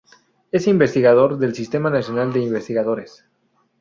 Es investigador del Sistema Nacional de Investigadores.